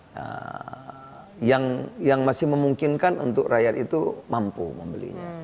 nah yang masih memungkinkan untuk rakyat itu mampu membelinya